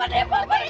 pergi cepat pergi